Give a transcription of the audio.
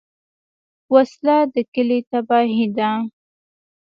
وسله د کلي تباهي ده